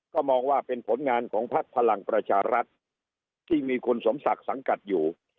ก็มองว่าเป็นผลงานของพักพลังประชารัฐที่มีคุณสมศักดิ์สังกัดอยู่